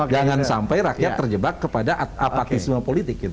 jangan sampai rakyat terjebak kepada apatisme politik